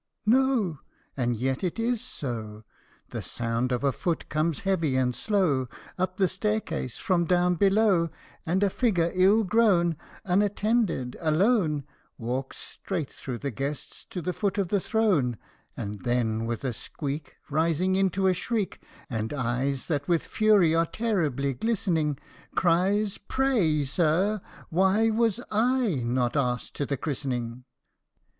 No ! And yet it is so ! THE SLEEPING BEAUTY. The sound of a foot comes heavy and slow Up the staircase from down below ; And a figure ill grown, Unattended, alone, Walks straight through the guests to the foot of the throne, And then with a squeak Rising into a shriek, And eyes that with fury are terribly glistening, Cries, " Pray, sir, why was not / asked to the christening